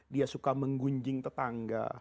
dia suka menggunjing tetangga